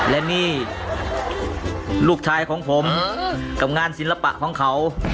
และนี่ลูกชายของผมกับงานศิลปะของเขา